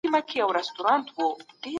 ملي تولید د عصري ماشینونو په واسطه زیاتیږي.